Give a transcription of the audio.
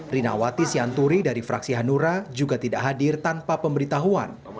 rinawati sianturi dari fraksi hanura juga tidak hadir tanpa pemberitahuan